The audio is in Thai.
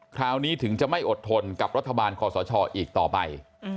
คราวนี้ถึงจะไม่อดทนกับรัฐบาลคอสชอีกต่อไป